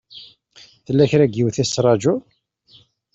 Tella kra n yiwet i tettṛajuḍ?